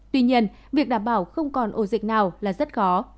tuy nhiên việc đảm bảo không còn ổ dịch nào là rất khó